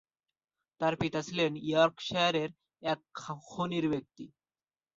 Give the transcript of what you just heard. তার পিতা ছিলেন ইয়র্কশায়ারের এক খনির কর্মী।